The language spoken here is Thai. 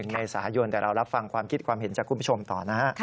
เมษายนแต่เรารับฟังความคิดความเห็นจากคุณผู้ชมต่อนะฮะ